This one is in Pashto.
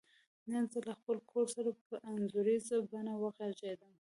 نن زه له خپل کور سره په انځوریزه بڼه وغږیدم.